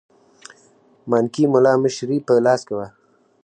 مانکي مُلا مشري په لاس کې وه.